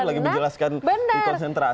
lagi menjelaskan di konsentrasi